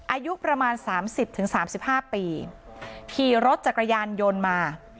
อายุประมาณสามสิบถึงสามสิบห้าปีขี่รถจักรยานยนต์มา